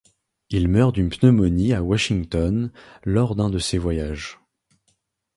Il meurt d'une pneumonie à Washington lors d'un de ses voyages.